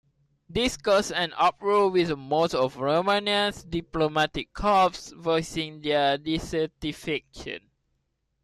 This caused an uproar, with most of Romania's diplomatic corps voicing their dissatisfaction.